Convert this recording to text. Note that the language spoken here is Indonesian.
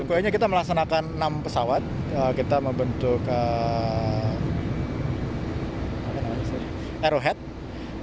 pokoknya kita melaksanakan enam pesawat kita membentuk aerohead